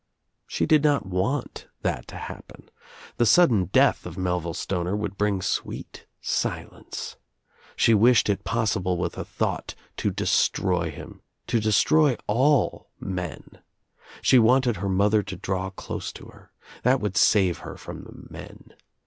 She did not want that to happen. The sudden death of Melville Stoner would bring sweet silence. She wished it possible with a thought to destroy him, destroy all men. She wanted her mother to draw close I to her. That would save her from the men.